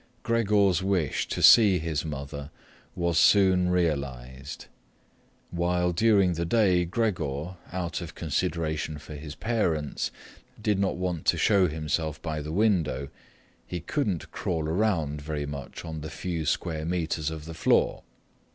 Gregor's wish to see his mother was soon realized. While during the day Gregor, out of consideration for his parents, did not want to show himself by the window, he couldn't crawl around very much on the few square metres of the floor.